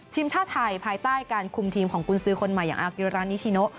ทีมชาติไทยภายใต้การคุมทีมของกุญสือคนใหม่อย่างอากิรานิชิโน